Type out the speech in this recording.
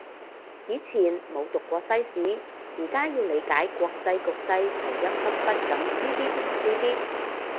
以前冇讀過西史，而家要理解國際局勢就一忽忽噉知啲唔知啲